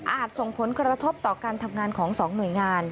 ส่งผลกระทบต่อการทำงานของ๒หน่วยงาน